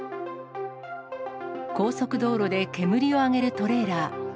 高速道路で煙を上げるトレーラー。